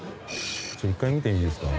１回見ていいですか？